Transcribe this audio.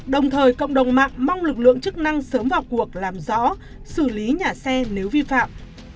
đồng thời cộng đồng mạng mong lực lượng chức năng sớm vào cuộc làm rõ xử lý nhà xe nếu vi phạm